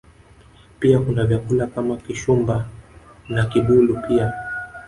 Pia kuna vyakula kama Kishumba na Kibulu pia